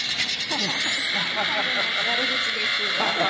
ハハハ最後のやつ悪口です。